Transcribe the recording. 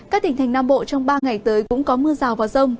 các tỉnh thành nam bộ trong ba ngày tới cũng có mưa rào và rông